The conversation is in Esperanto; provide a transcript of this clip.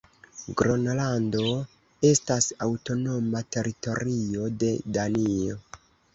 Gronlando estas aŭtonoma teritorio de Danio.